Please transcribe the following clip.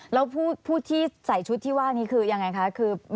แล้วผู้ที่ใส่ชุดที่ว่านี้คือยังไงคะ